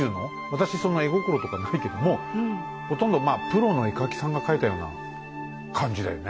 私その絵心とかないけどもほとんどまあプロの絵描きさんが描いたような感じだよね。